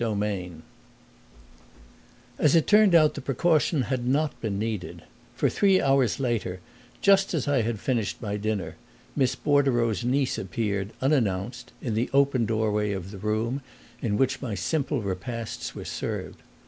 VIII As it turned out the precaution had not been needed, for three hours later, just as I had finished my dinner, Miss Bordereau's niece appeared, unannounced, in the open doorway of the room in which my simple repasts were served.